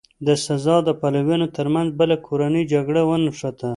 د سزار د پلویانو ترمنځ بله کورنۍ جګړه ونښته.